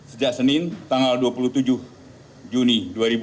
sejak senin tanggal dua puluh tujuh juni dua ribu dua puluh